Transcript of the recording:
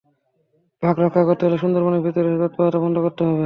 বাঘ রক্ষা করতে হলে সুন্দরবনের ভেতরে এসব তৎপরতা বন্ধ করতে হবে।